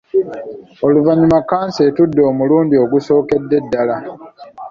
Oluvannyuma kkanso etudde omulundi ogusookedde ddala.